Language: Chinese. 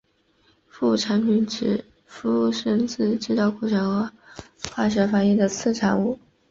副产品是指衍生自制造过程或化学反应的次产物。